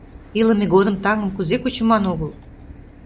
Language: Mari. Илыме годым таҥым кузе кучыман огыл.